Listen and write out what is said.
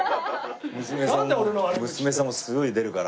娘さんも娘さんもすごい出るから。